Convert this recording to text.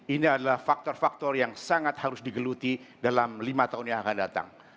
ini adalah faktor faktor yang sangat harus digeluti dalam lima tahun yang akan datang